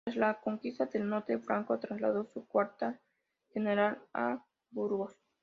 Tras la conquista del norte, Franco trasladó su cuartel general a Burgos.